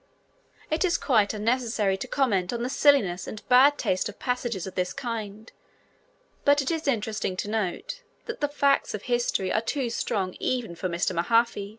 It is quite unnecessary to comment on the silliness and bad taste of passages of this kind, but it is interesting to note that the facts of history are too strong even for Mr. Mahaffy.